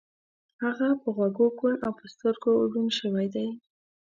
هغه په غوږو کوڼ او په سترګو ړوند شوی دی